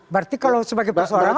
berarti kalau sebagai persorangan